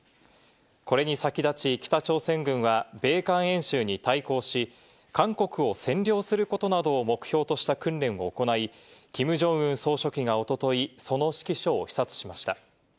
これに先立ち北朝鮮軍は米韓演習に対抗し、韓国を占領することなどを目標とした訓練を行い、キム・ジョンウン総書記がおととい、その指揮所を視察しました。